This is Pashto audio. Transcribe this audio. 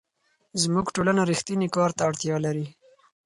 زموږ ټولنه رښتیني کار ته اړتیا لري.